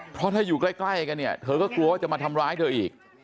เพราะถ้าอยู่ใกล้กันเนี่ยเธอก็กลัวว่าจะมาทำร้ายเธออีก